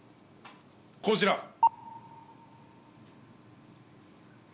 こちら。